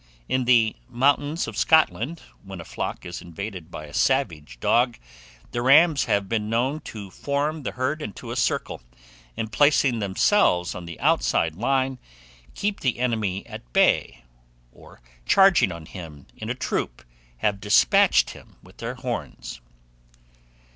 In the mountains of Scotland, when a flock is invaded by a savage dog, the rams have been known to form the herd into a circle, and placing themselves on the outside line, keep the enemy at bay, or charging on him in a troop, have despatched him with their horns.